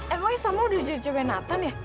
emangnya sama udah jadi cewek nathan ya